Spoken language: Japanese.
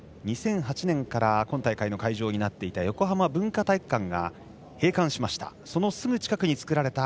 ２００８年から今大会の会場になっていた横浜文化体育館が閉館しました。